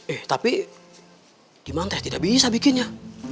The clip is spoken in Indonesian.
eh tapi di mantai tidak bisa bikin ya